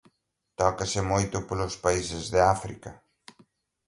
Tócase moito polos países de África.